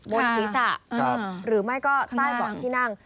บนศิษย์หรือไม่ก็ใต้บอดที่นั่ง